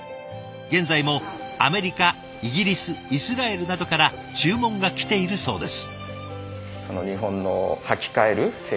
現在もアメリカイギリスイスラエルなどから注文が来ているそうです。